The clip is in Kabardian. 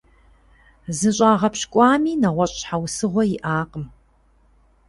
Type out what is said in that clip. ЗыщӀагъэпщкӀуами нэгъуэщӀ щхьэусыгъуэ иӀакъым.